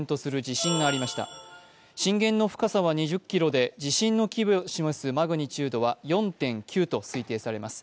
震源の深さは２０ｋｍで地震の規模を示すマグニチュードは４．９と推測されます。